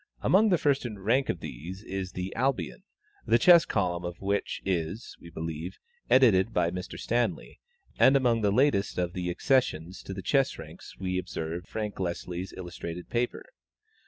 Among the first in rank of these is the Albion, the chess column of which is, we believe, edited by Mr. Stanley, and among the latest of the accessions to the chess ranks we observe Frank Leslie's Illustrated Paper.